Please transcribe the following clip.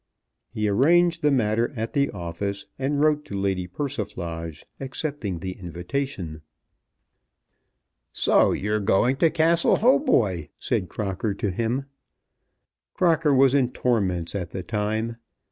He arranged the matter at the office, and wrote to Lady Persiflage accepting the invitation. "So you're going to Castle Hautboy?" said Crocker to him. Crocker was in torments at the time.